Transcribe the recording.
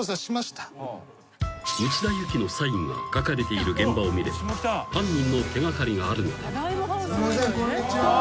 ［内田有紀のサインが書かれている現場を見れば犯人の手掛かりがあるのでは？］